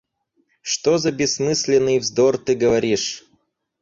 Что за бессмысленный вздор ты говоришь!